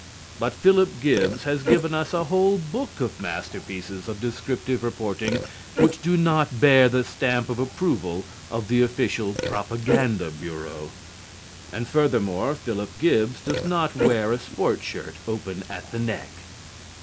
But Philip Gibbs has given us a whole book of masterpieces of descriptive reporting which do not bear the stamp of approval of the official propaganda bureau. And, furthermore, Philip Gibbs does not wear a sport shirt open at the neck.